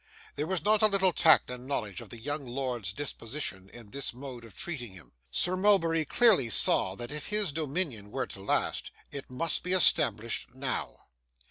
There was not a little tact and knowledge of the young lord's disposition in this mode of treating him. Sir Mulberry clearly saw that if his dominion were to last, it must be established now.